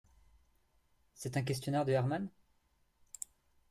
C’est un questionnaire de Herman?